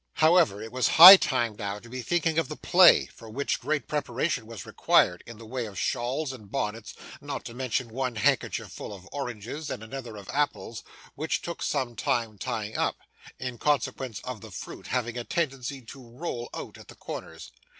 However, it was high time now to be thinking of the play; for which great preparation was required, in the way of shawls and bonnets, not to mention one handkerchief full of oranges and another of apples, which took some time tying up, in consequence of the fruit having a tendency to roll out at the corners.